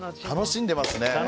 楽しんでますね。